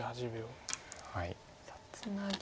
さあツナぎ